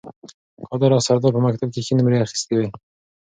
قادر او سردار په مکتب کې ښې نمرې اخیستې وې